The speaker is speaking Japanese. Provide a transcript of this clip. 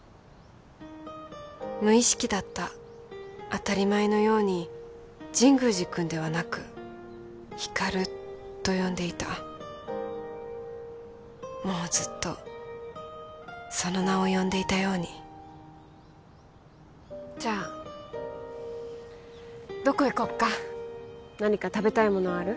無意識だった当たり前のように神宮寺君ではなく光琉と呼んでいたもうずっとその名を呼んでいたようにじゃあどこ行こっか何か食べたいものある？